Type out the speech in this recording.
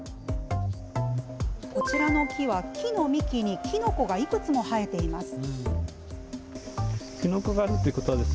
こちらの木は、木の幹にキノコがいくつも生えています。